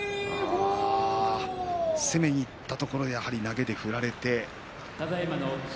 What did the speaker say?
攻めにいったところでやはり投げで振られて。